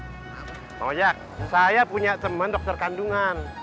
bang ojak saya punya teman dokter kandungan